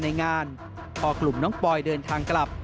ในงานพอกลุ่มน้องปอยเดินทางกลับ